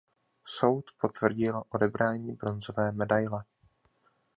Soud potvrdil odebrání bronzové medaile.